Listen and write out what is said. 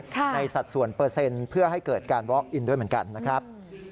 สัดส่วนเปอร์เซ็นต์เพื่อให้เกิดการบล็อกอินด้วยเหมือนกันนะครับ